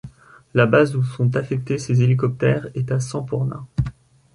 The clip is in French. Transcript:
La base où sont affectés ces hélicoptères est à Semporna.